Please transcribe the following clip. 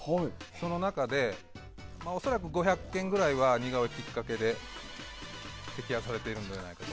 その中で恐らく５００件くらいは似顔絵がきっかけで摘発されているんじゃないかと。